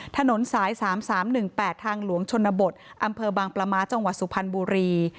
ถนนสาย๓๓๑๘ทางหลวงชนบทอำเภอบางปลาม้าจังหวัดสุพรรณบุรี